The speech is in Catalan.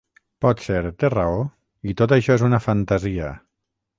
Potser té raó i tot això és una fantasia.